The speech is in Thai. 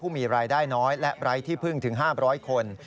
ผู้มีรายได้น้อยและรายที่พึ่งถึงห้าบร้อยคน